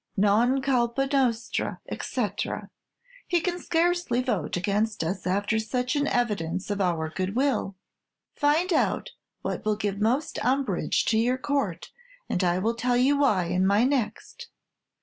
'Non culpa nostra,' etc. He can scarcely vote against us after such an evidence of our good will. Find out what will give most umbrage to your Court, and I will tell you why in my next.